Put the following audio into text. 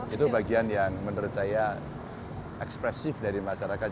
itu bagian yang menurut saya ekspresif dari masyarakat